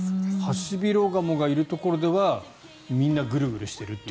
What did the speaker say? ハシビロガモがいるところではみんなぐるぐるしていると。